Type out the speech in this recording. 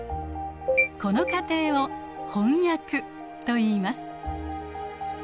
この過程を「翻訳」といいます。